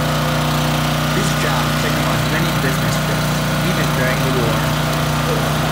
This job took him on many business trips, even during the war.